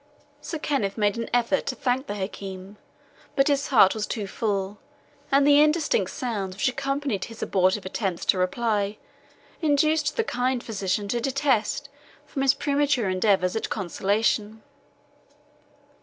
Sir Kenneth made an effort to thank the Hakim, but his heart was too full, and the indistinct sounds which accompanied his abortive attempts to reply induced the kind physician to desist from his premature endeavours at consolation.